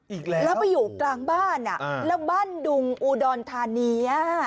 อีกแล้วแล้วไปอยู่กลางบ้านแล้วบ้านดุงอุดรธานี